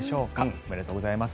おめでとうございます。